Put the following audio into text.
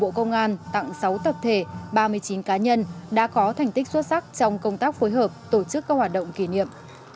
dân tặng sáu tập thể ba mươi chín cá nhân đã có thành tích xuất sắc trong công tác phối hợp tổ chức các hoạt động kỷ niệm